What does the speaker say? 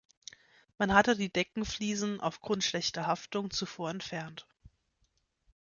Man hatte die Deckenfließen aufgrund schlechter Haftung zuvor entfernt.